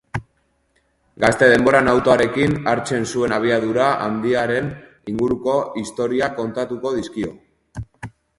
Gazte denboran autoarekin hartzen zuen abiadura handiaren inguruko istorioak kontatuko dizkio.